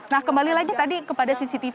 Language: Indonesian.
nah kembali lagi tadi kepada cctv